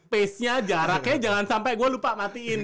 pace nya jaraknya jangan sampe gua lupa matiin